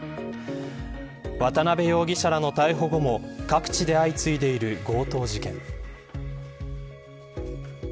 渡辺容疑者らの逮捕後も各地で相次いでいる強盗事件。